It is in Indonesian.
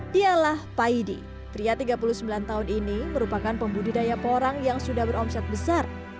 dialah paidi pria tiga puluh sembilan tahun ini merupakan pembudidaya porang yang sudah beromset besar